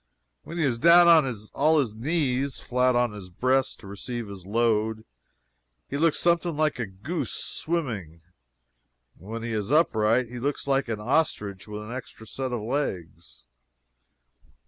When he is down on all his knees, flat on his breast to receive his load, he looks something like a goose swimming; and when he is upright he looks like an ostrich with an extra set of legs.